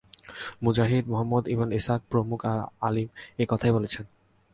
মুজাহিদ, মুহাম্মদ ইবন ইসহাক প্রমুখ আলিম এ কথাই বলেছেন।